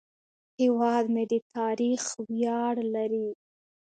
هیواد مې د تاریخ ویاړ لري